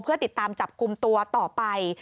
เพื่อติดตามจับกลุ่มตัวต่อไป